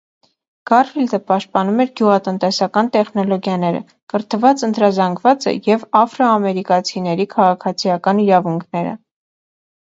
Գարֆիլդը պաշտպանում էր գյուղատնտեսական տեխնոլոգիաները, կրթված ընտրազանգվածը և աֆրոամերիկացիների քաղաքացիական իրավունքները։